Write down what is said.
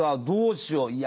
どうしよう。